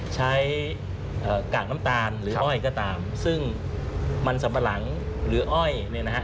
เอ่อกากน้ำตาลหรืออ้อยก็ตามซึ่งมันสัมปะหลังหรืออ้อยเนี่ยนะฮะ